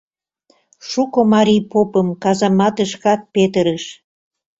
Шуко марий попым казаматышкат петырыш.